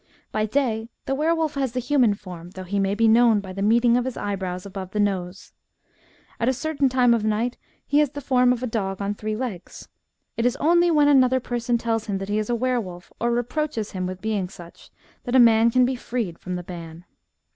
By day the were wolf has the human form, though he may be known by the meeting of his eyebrows above the nose. At a certain time of the night he has the form of a dog on three legs. It is only when another person tells him that he is a were wolf, or reproaches him with being such, that a man can be freed from the ban.